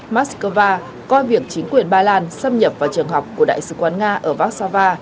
moscow coi việc chính quyền ba lan xâm nhập vào trường học của đại sứ quán nga ở vác sa va